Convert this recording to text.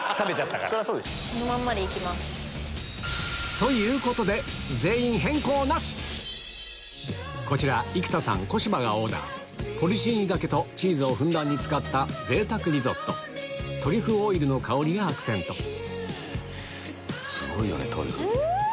ということでこちら生田さん小芝がオーダーポルチーニ茸とチーズをふんだんに使った贅沢リゾットトリュフオイルの香りがアクセントうん！